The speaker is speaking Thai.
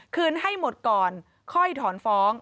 คืนให้หมดก่อนค่อยถอนฟ้อง